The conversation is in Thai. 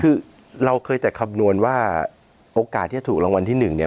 คือเราเคยแต่คำนวณว่าโอกาสที่จะถูกรางวัลที่๑เนี่ย